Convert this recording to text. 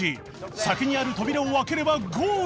先にある扉を開ければゴール